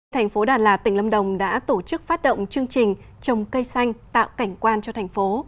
thành phố đà lạt tỉnh lâm đồng đã tổ chức phát động chương trình trồng cây xanh tạo cảnh quan cho thành phố